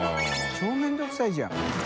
面倒くさいじゃん。